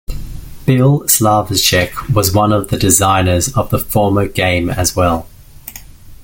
Bill Slavicsek was one of the designers of that former game as well.